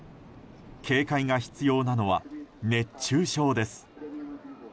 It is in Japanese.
警戒が必要なのは熱中症です。